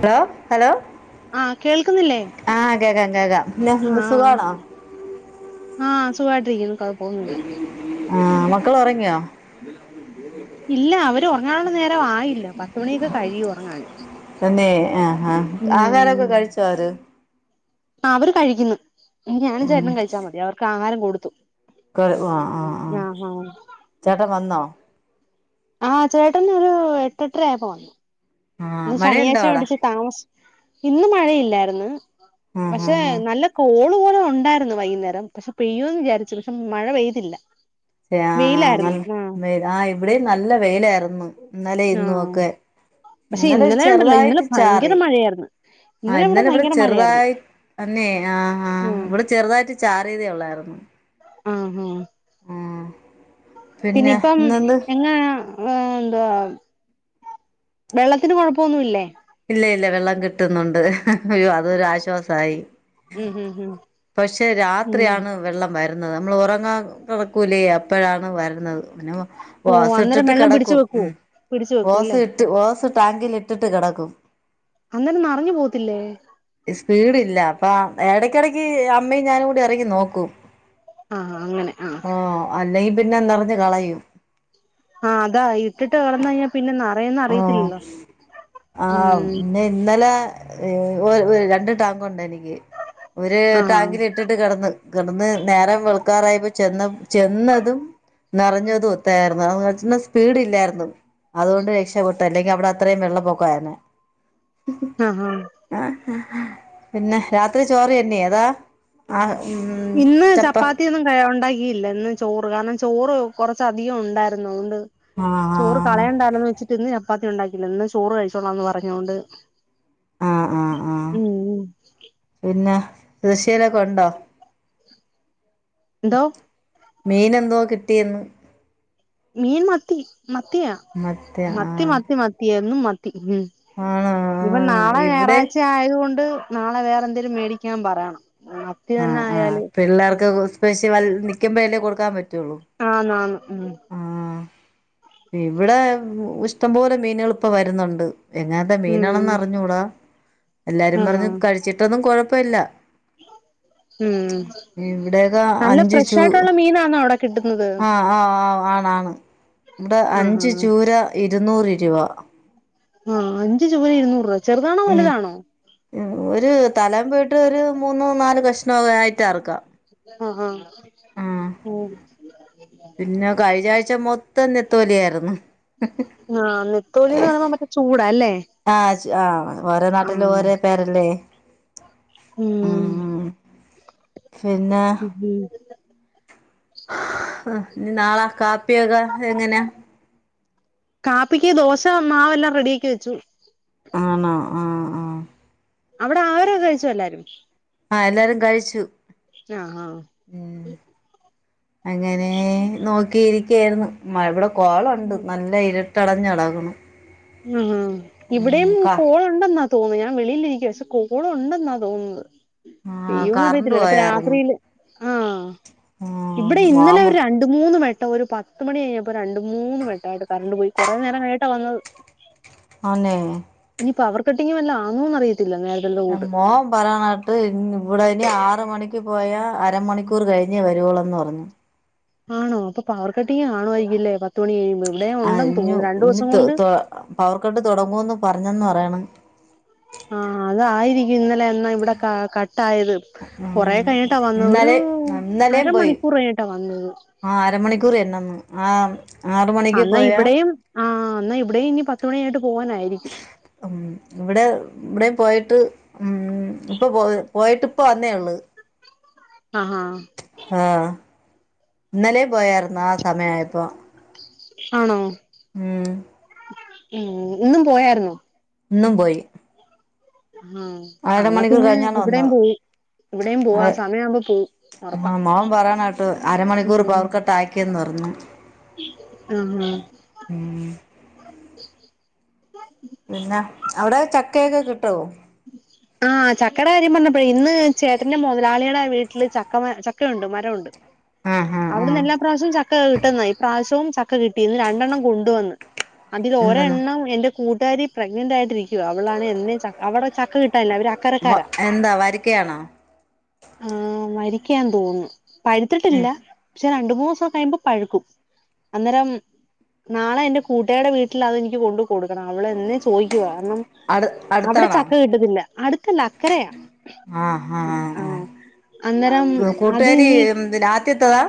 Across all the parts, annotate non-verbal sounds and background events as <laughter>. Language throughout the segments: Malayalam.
ഹലോ ഹലോ ആഹ് കേൾക്കുന്നില്ലേ ആഹ് കേക്കാം കേൾക്കാം പിന്നന്ത സുഖണോ ആഹ സുഖായിട്ടിരിക്കുന്നു കൊഴപ്പൊന്നുമില്ല ആഹ മക്കൾ ഉറങ്ങിയോ ഇല്ല അവര് ഉറങ്ങാനുള്ള നേര ആയില്ല പത്തുമണിയൊക്കെ കഴിയും ഉറങ്ങാാന് ആഹ ആഹ ആഹാരമൊക്കെ കഴിച്ചോര് അവരെ അവര് കഴിക്കുന്നു ഞാനും ചേട്ടനും കഴിച്ചാൽ മതി അവർക്ക് ആഹാരം കൊടുത്തു ക്ക് ആഹ് ആഹ് ആഹ് ചേട്ട വന്നോ ആഹ് ചേട്ടനാെര് എട്ടെട്ടെരായപ്പൊ വന്നു ആഹ് ഇന്ന് മഴയുണ്ടോ ശനിയാഴ്ച്ച അവിടെ വ്ട്ച്ച് താമസ് ഇന്ന് മഴയില്ലാര്ന്ന് ആഹ് പക്ഷെ നല്ല ആഹ് കോ ളു പോലെ ഒണ്ടായ്ര്ന്നു വൈക്ന്നേരം പക്ഷെ പെയ്യൂന്ന് വിചാരിച്ചു പക്ഷെ മഴ പെയ്തില്ലാ യാ <unintelligible> വെ ആഹ് ഇവ്ടെയും നല്ല വെയ്ലായ്ര്ന്നു ഇന്നലെം ഇന്നു ആഹ് ഒക്കെ പക്ഷെ ഇന്നലെ ഉണ്ടല്ലോ ഇന്നലെ ചെർതായിട്ട് ഭയങ്കര ചാറി മഴയായിരുന്നു ആഹ് ഇവിടെ ഇന്നലെ ഇവ്ടെ ഭയങ്കര മഴയായിരുന്നു ചെറ്തായി അന്നെ ആഹ് ഇവ്ടെ ചെർതായിട്ട് ചാറി യതെ ഒള്ളായ്ര്ന്നു ആഹ് ഹാ ആഹ് പിന്നെ ഇപ്പം എങ്ങ് ങ്ങാണ്ടാ വെള്ളത്തിന് കൊഴപ്പൊ ഒന്നുല്ലേ ഇല്ല ഇല്ല വെള്ളം കിട്ട്ന്നുണ്ട് അയ്യോ അതൊരാശ്വാസായി ഉം ഉം ഉം പഷെ ഉം രാത്രിയാണ് വെള്ളം വര് ന്നത് നമ്മള് ഒറങ്ങാൻ തൊറക്കൂലേ അപ്പഴാണ് വര്ണത് പിന്നെ ഓ ഓസ് അന്നേരം ഇട്ട്ട്ട് വെള്ളം പിടിച്ചു കെടക്കും വെക്കുവോ ഉം പിടിച്ചു വെക്കും ഓസ് അല്ലേ ഇട്ട് ഓസ് ടാങ്കിലിട്ട്ട്ട് കെടക്കും അന്നേരം മറിഞ്ഞ് പോവത്തില്ലേ സ്പീഡ് ഇല്ല അപ്പ എടക്കെടക്ക് അമ്മയും ഞാനും കൂടി എറങ്ങി നോക്കും ആഹ് അങ്ങനെ ആഹ് അല്ലെങ്കി പിന്നെ നെറെഞ്ഞ് കളയും ആഹ് അതാ ഇട്ട്ട്ട് കെട്ന്നയ്ഞ്ഞാ പിന്നെ ന ഓഹ് ആഹ് ഉം പിന്നെ ഇന്നെലെ ഏഹ് ഒ ഒര് രണ്ട് ടാങ്കുണ്ടെനിക്ക് ഒര് ആഹ് ടാങ്കില്ട്ടിട്ട് കെടന്ന് കെടന്ന് നേരം വെള് ക്കാറയപ്പൊ ചെന്നം ചെന്നതും നെറഞ്ഞതു ഒത്തായിരുന്നു ആ ഒൽച്ചിണെ സ്പീഡ് ല്ലായിരുന്നു അതോണ്ട് ര ക്ഷപ്പെട്ടെ അല്ലെങ്കി അവടെ അത്രയും വെള്ള പൊക്കായിരുന്നു. ആഹാ പിന്നെ രാത്രി ചോറെന്ന്യാ അതാ ആഹ് ഉം ഇന്ന് ചപ്പ ചപ്പാത്ത്യൊന്നും കഴ ഒണ്ടാക്കിയില്ല ഇന്ന് ചോറ് കാരണം ചോറ് കൊറച്ചധികം ഉണ്ടായിരുന്നു അതൊണ്ട് ആഹ് ചോറ് ആഹ് കളയണ്ടാന്ന് വെച്ചിട്ട് ഇന്ന് ച പ്പാത്തി ഉണ്ടാക്കില്ല ഇന്ന് ചോറ് കഴിച്ചോന്ന് <unintelligible> പർഞ്ഞോണ്ട് ആഹ് ആഹ് ഉം ദേശ്യലൊക്കൊ ണ്ടോ? ന്തോ? മീൻ എന്തോ കിട്ടിയെന്ന് മീൻ മത്തി മത്തിയാ മറ്റേ മത്തി ആഹ് മത്തി മത്തിയന്നും മ ത്തി ആണോ ഇഞ്പ്പൊ ആഹ് നാളെ ഇവിടെ ഞായറാഴ്ച്ച യതൊണ്ട് നാളെ വേറെ ന്തേലും മേടിക്കൻ പറയണം മത്തി തന്നെ ആഹ് ആഹ് ആയാല് പിള്ളാർക്ക് സ്പെഷ്യ വൽ നിക്കുമ്പഴല്ലേ കൊടുക്കാൻ പ ആന്ന് ആന്ന് ഉം ഇവിടെ ഇഷ്ടംപോലെ മീനുകൾ ഇപ്പ വരുന്നുണ്ട് എങ്ങനാത്തെ ഉം മീനാണെന്ന് അറിഞ്ഞൂടാ എല്ലാരും ആഹ് ആഹ് പറഞ്ഞ് കഴിച്ചിട്ടൊന്നും ഉം ഇവിടെയൊക്കെ നല്ല അഞ്ച് ഫ്രഷ് ചൂ ആയിട്ടുള്ള മീനാണോ അവിടെ കിട്ടുന്നത് ആ ആ ആ ആണാണ് ഇവിടെ ആഹ് അഞ്ച് ആഹ് ചൂര ഇരുന്നൂറ് രൂപ ആഹ അഞ്ച ചൂര ഇരുന്നൂറ് രൂപ ചെറുതാണോ ഉം വലുതാണോ ഒരു തലം പോയിട്ട് ഒരു മൂന്നു നാലു കഷ്ണമെ ആയിട്ട് അറക്കാം ആഹ ആഹ് ആഹ ഉ തന്നെ തോല ആായിരുന്നു ആഹ് നെത്തോലിന്ന് പറയുമ്പോ മറ്റേ ചൂടാല്ലേ ആ ആഹ ഓരേ നാട്ടിൽ ആഹ് ഓരേ പേരല്ലേ ഉം പിന്നെ ഉ ആ ഇ നാളാ കാപ്പിയൊക്കെ എങ്ങനാ കാപ്പിക്ക് ദോശ മാവെല്ലാം റെഡി ആക്കി വെച്ചു ആണോ ആഹ ആഹ അവിടെ ആഹരൊക്കെ കഴിച്ചോ എല്ലാരും ആഹ എല്ലാരും കഴിച്ചു ആഹ് ആഹ അങ്ങനെ നോക്കിയിരിക്കായിരുന്നു ഇവിടെ ഉം കോളുണ്ട് നല്ല ഇര തടഞ്ഞളകണം ആ ഇവിടെയും കോൾ ഉണ്ടെന്നാ തോന്നുന്നു ഞാൻ വെളിയിലിരിക്കുവ പക്ഷെ കോ എപ്പോളും ഉണ്ടെന്നാ തോന്നുന്നത് ആഹ് അയ്യോ ഒന്നും കറണ്ട് അറിയല്ലല്ലപ്പോ പോയായിരുന്നു രാത്രിയില് ആ ഇവിടെ ആഹ് ഇന്നലെ മോൻ ഒരു രണ്ട മൂന്ന് മണി കേട്ട ഒരു പത്ത് മണി കഴിഞ്ഞപ്പോ രണ്ട മൂന്ന് മിനിായിയിട്ട് കറണ്ട് പോയി കുറേ നേരം കേട്ടാ വന്നത് ആ ന്നെ ഇനി പവർക്കട്ടിങ് വല്ലോ ആണോ അറിയില്ല മോൻ പറാനായിട്ട് ഇവിടെ ഇനി ആറ മണിക്ക് പോയാ അരമണിക്കൂർ കഴിഞ്ഞ ഞ്ഞെ വരുവളന്ന് പറഞ്ഞു ആണോ അപ്പൊ പവർ കെട്ടി ആണോമായിയിരിക്കില്ലേ പത്ത്മണി കഴിയുമ്പോ ഇവിടെ ആ ഉണ്ടെന്ന് ഇനി തോന്നുന്നു രണ്ടു ഇനി ദിവസം കൊണ്ട് ത പവർ കട്ട് തുടങ്ങുവന്ന് പറഞ്ഞന്ന് പറയാണ് ആഹ അത് ആയിരിക്ക ഇന്നലെ ഇവിടെ കട്ടായത് ഉം കൊറെ കഴിഞ്ഞിട്ടാ വന്ന ഒരു ഇന്നലെ അരമണിക്കൂർ കഴിഞ്ഞിട്ടാ വന്ന അ ആഹ അരമണിക്കൂർ എന്ന ആഹ അ എന്നാൽ ഇവിടെയും ആ എന്നാ ഇവിടെയും ഇനി പത്തുമണിയ ആയിട്ട് ഉ ഇവിടെ ഇവിടെയും പോയിട്ട് ഉം ഇപ്പൊ പോയ പോയിട്ട് ഇപ്പോ അന്നേ ഉള്ളൂ ആഹഹ ഇന്നലെ പോയായിരുന്നു ആ സമയയപ്പോൊ ആണോ ഉം ഉം ഇന്നും പോയര് ന്നൊ ന്നും പോയി ആഹ അന്നാ പിന്നെ ഇവിടെയും പോയി അത ഒറപ്പാ ആ മോൻ പറയാന കേട്ട് അരമണിക്കൂർ പവർ കട്ട് ആക്കിയെന്ന് പറഞ്ഞു ഉം ആഹ ആ പിന്നെ അവിടെ ചക്കയൊക്കെ കിട്ടോ ആഹ് ചക്കട കാര്യം പറഞ്ഞപ്പോ ഇന്ന് ചേട്ടന്റെ മുതലാളിയുടെ വീട്ടില് ചക്ക ചക്കയുണ്ട് മരംുണ്ട് ആഹ് ആഹ് അവിടുന്ന് ആഹ് എല്ലാ പ്രാവശ്യവും ചക്ക കിട്ടുന്നാവശ്യം ഇവും ചക്ക കിട്ടിന്ന് രണ്ടെണ്ണം കൊണ്ടുവന്ന് എന്തെന്ന് അതിൽൊരെണ്ണം എന്റെ കൂട്ടുകാരി പ്രെ്നന്റ് ആയിട്ട്രിക്ക റ്റ് അവളാണെ എന്നും ച അവടെ ചക്ക കിട്ടാല്ല അവര് അക്കരക്കാരാ എന്താ വരിക്കയാണോ ഉം വരിക്കെന്ന് തോന്ന്ന്നു പഴ്ത്ത്ട്ടില്ല. പക്ഷെ രണ്ട് മൂന്നൂ സം കയുമ്പം പഴുക്കും അന്നേരം നാളെ എന്റെ കൂട്ടുകാരടെ വീട്ടില് അതെനിക്ക് കൊണ്ട് കൊടുക്കണം അവള് എന്നെ ചോയ്ക്കുവ കാരണം അടു അവടെ അടുത്താണോ ചക്ക കിട്ടത്തില്ല അട്ത്ത്ള്ളെ അക്കരയാ ആഹ് അന്നേരം ആഹ് അത് കൂട്ടുകാരി ഞ് ആദ്യത്തതാ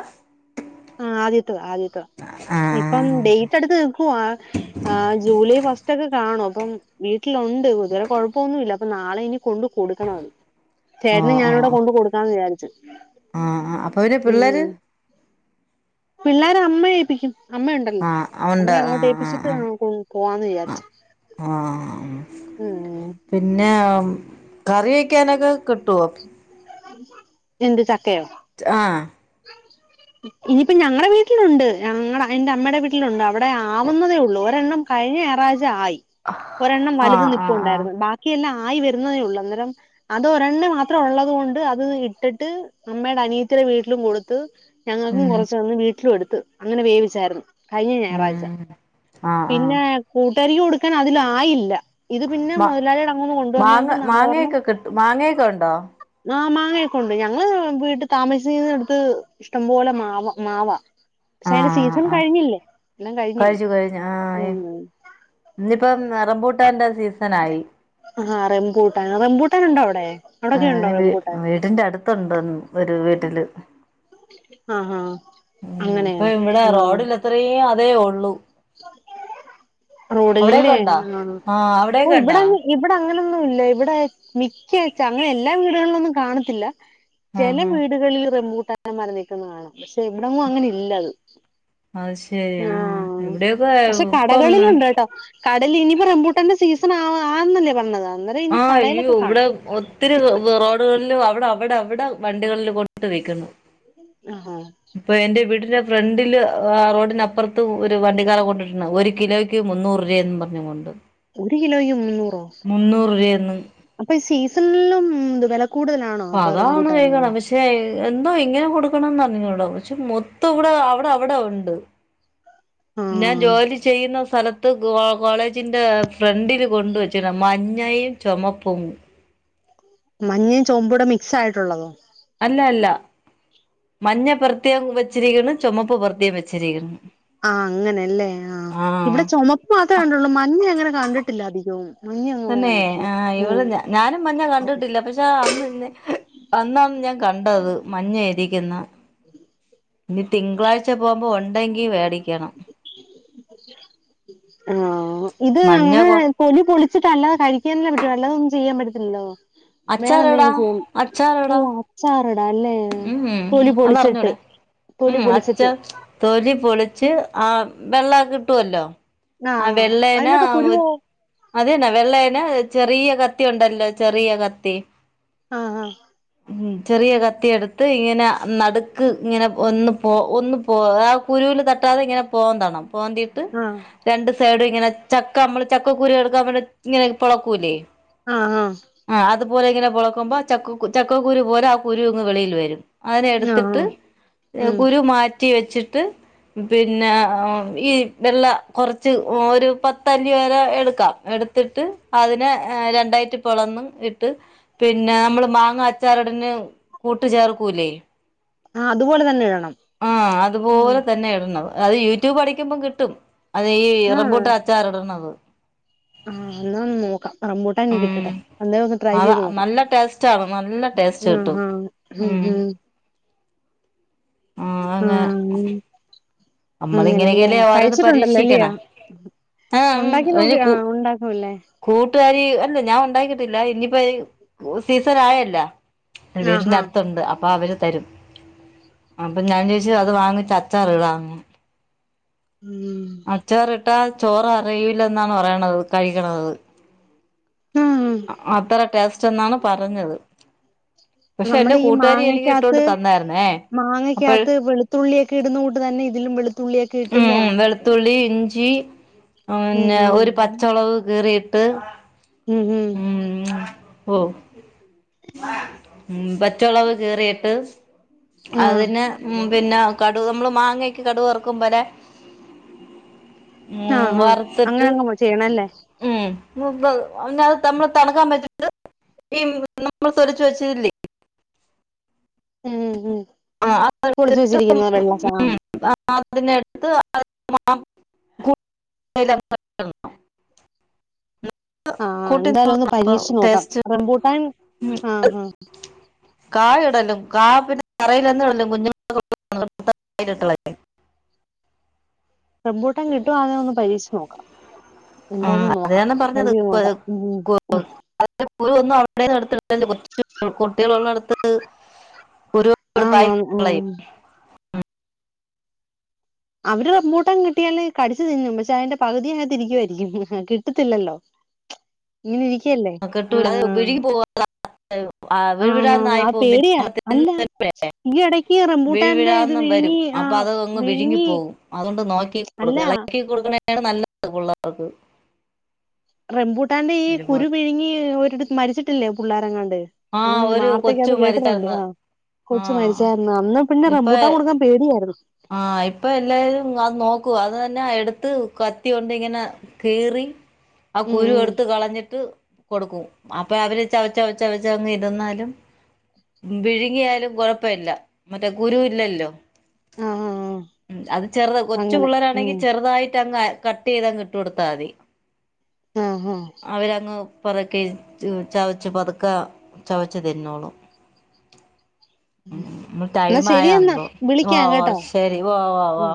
ആ ആദ്യത്തെ താ ആദത്തെതാ ഇപ്പം ആഹ് ഡേറ്റ ട്ത്ത് നിക്കു ക്കുവാ ഏഹ് ജൂലൈ ഫസ്റ്റൊക്കെ കാണും അപ്പം വീട്ടിലുണ്ട് ഇത് വരെ ക്കെഴപ്പൊന്നുല്ല അപ്പൊ നാളെ നി കൊണ്ട് കൊടുക്കണത് ചേട്ടനും ഞാനുടെ കൊണ്ട് കൊടുക്കാന്ന് വിചാരി ആഹ്അപ്പൊ ഇനി പിള്ളേര് പിള്ളോര് അമ്മ ഏപ്പിക്കും. അമ്മയുണ്ടല്ലോ ആഹ് അമ്മ ഉണ്ട് അങ്ങോട്ട് ആഹ് ഏപ്പിച്ചിട്ട് പൊയ്ക്കോളാം എന്ന് വിചാരിച്ചു. ഉം ആഹപിന്നെ കറി വക്കാനൊക്കെ കിട്ടുവ എന്ത്ചക്കയോ ആഹ ഇനിയിപ്പ ഞങ്ങളടെ വീട്ടിലുണ്ട് ഞങ്ങടെ എന്റെ അമ്മയുടെ വീട്ടിലുണ്ട്. ഇവിടെ ആവുന്നതേ ഉള്ളൂ ഒരെണ്ണം കഴിഞ്ഞ ഞാറാഴ്ച്ച ആയി ഒരെണ്ണം വലുത് ആഹ് ആഹ് ആഹ് നിപ്പുണ്ടായിരുന്നു. ബാക്കിയെല്ലാം ആയി വരുന്നതേ ഉള്ളൂ അന്നേരം അത് ഒരെണ്ണം മാത്രം ഉള്ളത് കൊണ്ട് അത് ഇട്ടിട്ട് അമ്മയുടെ അനിയത്തിരെ വീട്ടിലും കൊടുത്ത് ഞങ്ങൾക്കും ഉം കുറച്ച വന്ന് വീട്ടിലും എടുത്ത് അങ്ങനെ വേവിച്ചായിരുന്നു. കഴിഞ്ഞ ഞായറാഴ്ച ഉം ആഹ് ആഹ് പിന്നെ കൂട്ട് കാരി ക്ക് കൊടുക്കാൻ അതില ആയില്ല. ഇത് പിന്നെ മ മുതലാളിയട അങ്ങന്ന് കൊണ്ടുവന്നത കൊണ്ട് മാങ്ങ നാളെ പറഞ്ഞു മാങ്ങയൊക്കെ കിട്ട മാങ്ങയൊക്കെ ഉണ്ടോ ആ മാങ്ങയൊക്കെ ഉണ്ട് ഞങ്ങള് വീട്ടിൽ താമസിച്ചുന്ന എടുത്ത് ഇഷ്ടം പോലെ മാങ്ങ മാവാ പക്ഷെ അതിന്റെ ആഹ് സീസൺ ആഹ് കഴിഞ്ഞില്ലേ എല്ലാം കഴിഞ്ഞില്ലേ കഴിച്ചു കഴിഞ്ഞു ആഹ് ഉം ഇന്നിപ്പം റമ്പൂട്ടാന്റെസീസണ ആയി ആഹാ റംബൂട്ടൻ റംബൂട്ടൻ ഉണ്ടോ അവിടെ അവിടൊക്കെ ഉണ്ടോ റംബൂട്ടാൻ ആവീടിന്റെ അടുത്തുണ്ട് ഒരു വീട്ടില് ആഹാ ഉ ഇപ്പ അങ്ങനെയാ ഇവിടെ ആ റോഡിൽ അത്രയും അതേ ഉള്ളു! അവിടെയൊക്കെ റോഡല്ലേ ഉണ്ടോ ആ ആഹ് ഒ അവിടെയൊക്കെ ഇവിടെ ഉണ്ടോ ഇവിടെ അങ്ങനൊന്നും ഇല്ല ഇവിടെ മിക്കച്ച അങ്ങനെ എല്ലാ വീടുകളിലും ഒന്നും കാണത്തില്ല ചില ആഹ് ആഹ് വീടുകളിൽ റമ്പൂട്ടാൻ വര നിൽക്കുന്ന കാണാം പക്ഷെ ഇവിടന്നും അങ്ങനെ ഇല്ലത് അത് ശെരി ആ എവിട്യോ പക്ഷെ കടകളിലുണ്ട് കേട്ടോ കടൽ ഇനിപ്പറംമ്പൂട്ടാന്റെ സീസൺ ആ ആന്നല്ലേ പറഞ്ഞത് അന്നേരം ഇനി ആ അയ്യോ കടയിലൊക്കെ ഇവിടെ കാണും ഒത്തിരി റോഡുകളിലും അവടെ അവടെ വടെ വണ്ടികളിൽ കൊണ്ട്ട്ട് വിക്കുന്നു ആഹ ന്റെ ഫ്രണ്ടില് റോഡിനപ്പുറത്തും ഒരു വണ്ടിക്കാരൻ കൊണ്ടിട്ടുണ്ട് ഒരു കിലോയ്ക്ക് മുന്നൂറ് രൂപെന്നും പർഞ്ഞോണ്ട് ഒരു കിലോയ്ക്ക് മുന്നൂറോ രൂപയെന്ന് അപ്പൊ ഈ സീസണിലുംത് വെല അ അതാണ് വൈകണം പക്ഷെ എന്തോ ഇങ്ങനെ കൊടുക്കണംന്ന്റിഞ്ഞോടോ പക്ഷെ മൊത്തം ഇവിടെ അവടെ അവടെ ഒണ്ട് ഞാൻ ആഹ് ജോലി ചെയ്യുന്ന- സ്ഥലത്ത് കോ കോളേജിന്റെ ഫ്രണ്ടില് കൊണ്ടുവച്ചി മഞ്ഞയും ചൊമപ്പും മഞ്ഞയും ചോപ്പുടെ മിക്സായിട്ടുള്ളത് അല്ല അല്ല മഞ്ഞ പ്രത്യേം വെച്ചിരിക്ക്ന്ന് ചൊമപ്പ് പ്രത്യേം വെച്ചിര്ക്ക്ന്ന് ആ അങ്ങനല്ലേ ആ ഇവിടെ ചൊമപ്പ് മാത്രേ കണ്ടുള്ളൂ മഞ്ഞ അങ്ങനെ കണ്ടിട്ടില്ല അധികവും മഞ്ഞ അങ്ങനെ തന്നെ കണ്ടിട്ടില്ല ആഹ് ഉം ഇവള് ഞ ഞാനും മഞ്ഞ കണ്ടിട്ടില്ല പക്ഷെ അന്നെ അന്നാണ് ഞാൻ കണ്ടത് മഞ്ഞ ഇരിക്കുന്ന ഇനി തിങ്കളാഴ്ച പോകുമ്പോ ഒണ്ടെങ്കി വേടിക്കണം ആ ഇത് മഞ്ഞ അങ്ങെ കൊ തൊലി പൊളി ച്ച്ട്ട് അല്ലാതെ കഴിക്കാനല്ലേ പറ്റൊള്ളൂ അല്ലാതൊന്നും ചെയ്യാൻ പറ്റത്തില്ലല്ലോ വേറെ അച്ചാറ്ടാ എന്തെങ്കിലും ചെയ്യ ഓ അച്ചാറ്ടാ അച്ചാറിടാ അല്ലേ ഉം തൊലി പൊളിച്ചിട്ട് അതറിഞ്ഞൂടെ തൊലി ഉം അച്ഛ പൊളിച്ചിട്ട് തൊലി പൊളിച്ച് ആ വെള്ള കിട്ടുവല്ലോ ആ വെള്ളേല് <unintelligible> അതെന്നെ വെള്ളേല് <unintelligible> ചെറിയ കത്തി ഒണ്ടല്ലോ ചെറിയ കത്തി ആഹ് ആഹ് ഉം ചെറിയ കത്തി എടു ത്ത് ഇങ്ങനെ നടുക്ക് ഇങ്ങനെ ഒന്ന് പോ ഒന്ന് പോ ആഹ് കുരുവിൽ തട്ടാതെ ഇങ്ങനെ പോന്തണം പോന്തിട്ട് ആ രണ്ട് സൈഡും ഇങ്ങനെ ചക്ക നമ്മള് ചക്കക്കുരു എടുക്കാൻ ഇങ്ങനെ പൊളക്കൂലേ ആ ആ ആഹ് അതുപോലെ ഇങ്ങനെ പൊളക്കുമ്പോ ചക്കക്കുരു ചക്കക്കരു പോലെ ആ കുരു ഇങ്ങു വെളിയിൽ വ രും അയിനെ ആ ആ എടുത്തിട്ട് ഉം കുരു മാറ്റി വെച്ചിട്ട് പിന്നെ ഈ വെള്ള കുറച്ച് ഒരു പത്തല്ലി വരെ എടുക്കാം എടുത്തിട്ട് അതിനെ രണ്ടായിട്ട് പോളന്ന് ഇട്ട് പിന്നെ മാങ്ങ അച്ചാർ ഇട് ന്ന കൂട്ട് ചേർക്കൂല്ലേ ആ അതുപോലെ തന്നെ ഇടണം ആഹ് ഉം അതുപോലെ തന്നെ ഇടണത് അത് യൂട്യൂബ് അടിക്കുമ്പം കിട്ടും അത് ഈ റംബുട്ടാൻ അച്ചാർ ഇടണത് ആഹ് എന്നാ ഒന്നു നോക്കാം റംബുട്ടാൻ ഇനി ഉം കിട്ടട്ടെ അന്നേരം ഒന്ന് ട്രൈ അതാ ചെയ്ത് നോക്കാം നല്ല ടേസ്റ്റാണ് നല്ല ടേസ്റ്റ് കിട്ടും ആഹ് ആഹ് ഉം ഉം ആഹ് ഉം നമ്മള് ഇങ്ങനെയൊക്കല്ലേ ഓരോന്ന് പരീക്ഷിക്കണ അല്ലയോ ആഹ് ഉം ഉണ്ടാക്കി ഒരു നോക്കി ആ കൂ ഉണ്ടാക്കുംല്ലേ കൂട്ടുകാരി അല്ല ഞാൻ ഉണ്ടാക്കിട്ടില്ല ഇനിപ്പോ സീസൻ ആയല്ല വീടിന്റെ ആഹാ അടുത്തുണ്ട് അപ്പ അവരെ തരും അപ്പം ഞാൻ വിചാച് അത് വാങ്ങിച്ച് അച്ചാറെ ഇടാന്നെ ഉം അച്ചാറിട്ടാ ചോറ് അറിയുല്ലന്നാണ് പറയണത് കഴിക്കണത് ഉം അത്ര ടേസ്റ്റ് എന്നാണ് പറഞ്ഞത് പക്ഷെ എന്റെ നമ്മള് ഈ കൂട്ടുകാരി എനിക്ക് ഇട്ടൊണ്ട് മാങ്ങക്കകത്ത് തന്നായിരുന്നെ മാങ്ങക്കകത്ത് വെളുത്തുള്ളിയൊക്കെ ഇടുന്നകുട്ടേ തന്നെ ഇതിലും വെളുത്തുള്ളിയൊക്കെ ഉം ഇട്ടില്ലേ ഉം വെളുത്തുള്ളി ഇഞ്ചി ഉം പിന്നെ ഒരു പച്ചോളവ് കീറിയിട്ട് ഈ ഹി പോവും ഉം പച്ചോളൊക്കെ കീറിട്ട് ആഹ് അതിന് ഉം പിന്നെ കടുക് അമ്മള് മാങ്ങെക്കെ കടുവറ ക്കുംമ്പോലെ ഉം ആഹ് ആഹ് വറ്ത്ത്ട്ട് അങ്ങനങ്ങ് ചെയ്യണല്ലേ ഉം ഞ് പ്പത് പിന്നെ തമ്മള് തണക്കാൻ വെച്ചിട്ട് ണ്ട് <unintelligible> നമ്മൾ തൊലിച്ച് വെച്ചത് ല്ലെ ഉം ഉം ആഹ് തൊലിച്ച് വെച്ചിരിക്കുന്ന വെള്ള സാ ധൻ ത്തി നട്ത്ത് <unintelligible> <unintelligible> ആഹ് കൂട്ടി എന്തായാലും <unintelligible> ഒന്ന് പ്പം പരീക്ഷിച്ച് നോക്കാം ടേസ്റ്റ് റംബൂട്ടാൻ ആഹ് <unintelligible> ആഹ് കായ് ഇടലും കാ പിന്നെ കറെലൊന്നും ഇടലും കുഞ്ഞുങ്ങ <unintelligible> റംബുട്ടാൻ കിട്ടുവണെ ഒന്ന് പരീക്ഷിച്ച് നോക്കാം എന്തായാലും നോക്കാം അതാണ് ട്രൈ പറഞ്ഞത് ചെയ്ത് നോക്കാം ഉം <unintelligible> നടത്തി <unintelligible> കുട്ട്യേള് ള്ളോട്ത്ത് കുരുടുത്തായി ആന്നാന്ന് കളയും ഉം അവര് റംബുട്ടാൻ കിട്ടിയാല് കടിച്ചു തിന്നും പക്ഷെ അതിന്റെ പകുതി അതിനകത്തിരുവാക്കുവായിരിക്കും കിട്ടത്തില്ലല്ലോ ഇങ്ങനെ ഇരിക്ക ആഹ് കിട്ടൂല അത് വിഴുങ്ങി പോവൂല ആഹ് വിഴുവിഴന്ന് ആന്നാന്ന് ആയി അത് പോകും പിന്നെ പേടിയാ നമ്മൾ അല്ല തിന്നുമ്പഴേ ഈ എടയ്ക്ക് റംബൂട്ടാന്റെ ഇത് വീഴുവിഴാന്ന് വരും വിഴുങ്ങി അപ്പൊ ആഹ് അത് അങ്ങ് വിഴുങ്ങി പോകും അതുകൊണ്ട് നോക്കി കൊട് അല്ല ഇളകൊടുക്ക ണയാണ് നല്ലത് പിള്ളെർക്ക് റംബൂട്ടന്റെ ഈ കുരു വിഴുങ്ങി ഒരിടത്ത് മരിച്ചിട്ടില്ലേ പിള്ളോരെങ്ങാണ്ട് ആ നമ്മളീ ഒരു കൊച്ചു വാർത്തയ്ക്കാത്ത് കേക്കുന്നൊണ്ട് മരിച്ചായിരുന്നു ആ ആ കൊച്ചു മരിച്ചാരുന്നു അന്ന് പിന്നെ റംബൂട്ടാൻ കൊടുക്കാൻ പേടിയാരുന്നു ആ ഇപ്പൊ എല്ലാരും അത് നോക്കും അതെന്നാ എടുത്ത് കത്തി കൊണ്ട് ഇങ്ങനെ കീറി ആ ഉം കുരു ഉം എടുത്ത് കളഞ്ഞിട്ട് കൊടുക്കും അപ്പം അവര് ചവച്ച് ചവച്ച് ചവച്ച് അങ്ങ് ഇരുന്നാലും വിഴുങ്ങിയാലും കൊഴപ്പവില്ല മറ്റേ കുരു ഇല്ലല്ലോ ആ ആ ആ ഉം അത് ചെറുത് കൊച്ചു അങ്ങനെ പിള്ളാരാണെങ്കി ഉം ചെറുതായി ട്ട് അങ്ങ് കട്ട് ചെയ്തങ്ങ് ഇട്ടു കൊടുത്താ അതി ആ ആ അവരങ്ങ് പതുക്കെ ച് ചവച്ച് പതുക്കെ ചവച്ച് തിന്നോളും ഉം ഇന്നു എന്നാ ടൈമായോ ശരിയെന്നാ എന്തോ വോ വിളിക്കാം കേട്ടോ ശെരി വോ വോ വോ ഉം